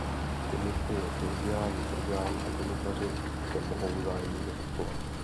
Komise je kolegiální orgán a komisaři se mohou vzájemně zastupovat.